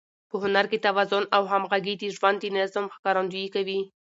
په هنر کې توازن او همغږي د ژوند د نظم ښکارندويي کوي.